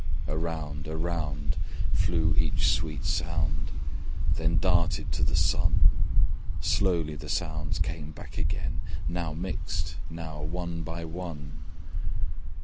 Around, around, flew each sweet sound, Then darted to the Sun; Slowly the sounds came back again, Now mixed, now one by one.